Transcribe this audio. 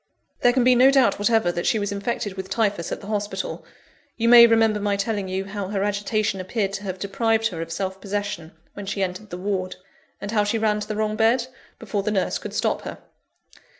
"There can be no doubt whatever, that she was infected with Typhus at the hospital. You may remember my telling you, how her agitation appeared to have deprived her of self possession, when she entered the ward; and how she ran to the wrong bed, before the nurse could stop her.